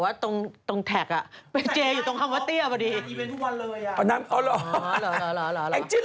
ทำไมพี่เมียหอวงงานเรามีงาน